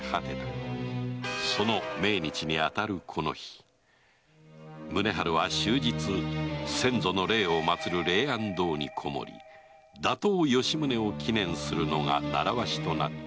その命日に当たるこの日宗春は終日先祖の霊を祀る霊安堂にこもり「打倒吉宗」を祈念するのが習わしとなっていた